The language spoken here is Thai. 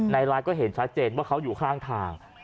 ไลน์ก็เห็นชัดเจนว่าเขาอยู่ข้างทาง